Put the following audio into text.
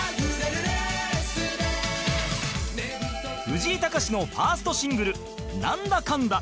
藤井隆のファーストシングル『ナンダカンダ』